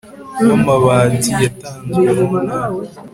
w amabati yatanzwe mu ntara